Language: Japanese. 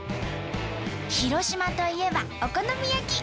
広島といえばお好み焼き！